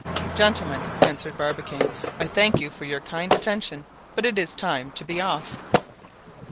"Gentlemen," answered Barbicane, "I thank you for your kind attention; but it is time to be off."